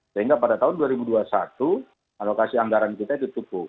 sehingga pada tahun dua ribu dua puluh satu alokasi anggaran kita ditutup